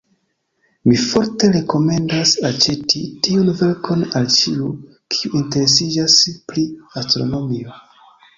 Mi forte rekomendas aĉeti tiun verkon al ĉiu, kiu interesiĝas pri astronomio!